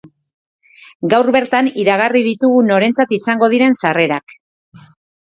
Gaur bertan iragarri ditugu norentzat izango diren sarrerak.